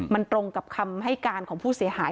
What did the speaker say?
มันตรงกับคำให้การของผู้เสียหาย